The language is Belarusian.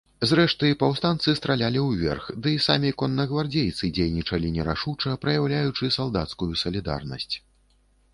Зрэшты, паўстанцы стралялі ўверх, ды і самі коннагвардзейцы дзейнічалі нерашуча, праяўляючы салдацкую салідарнасць.